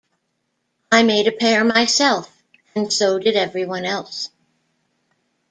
I made a pair myself, and so did everyone else.